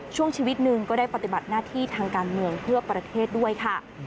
ช่วงชีวิตหนึ่งก็ได้ปฏิบัติหน้าที่ทางการเมืองเพื่อประเทศด้วยค่ะ